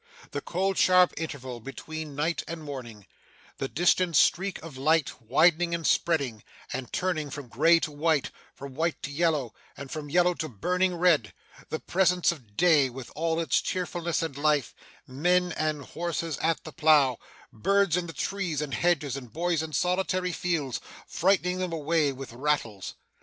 The cold sharp interval between night and morning the distant streak of light widening and spreading, and turning from grey to white, and from white to yellow, and from yellow to burning red the presence of day, with all its cheerfulness and life men and horses at the plough birds in the trees and hedges, and boys in solitary fields, frightening them away with rattles.